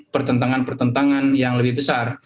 pertentangan pertentangan yang lebih besar